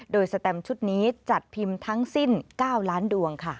โดยสแตมชุดนี้จัดพิมพ์ทั้งสิ้น๙ล้านดวงค่ะ